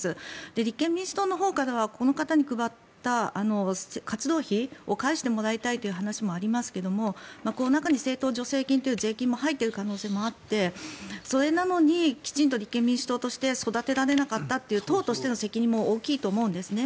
立憲民主党のほうからはこの方に配った活動費を返してもらいたいという話もありますがこの中に政党助成金というお金も入っている可能性もあってそれなのにきちんと立憲民主党として育てられなかったという党としての責任も大きいと思うんですね。